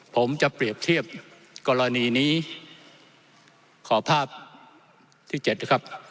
ผมจะเปรียบเทียบกรณีนี้ขอภาพที่เจ็ดนะครับ